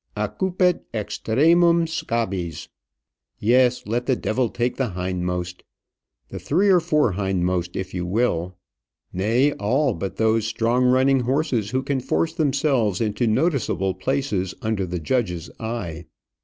Occupet extremum scabies." Yes. Let the devil take the hindmost; the three or four hindmost if you will; nay, all but those strong running horses who can force themselves into noticeable places under the judge's eye.